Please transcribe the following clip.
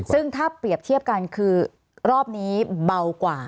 ซึ่งถ้าเปรียบเทียบกันคือรอบนี้เบากว่า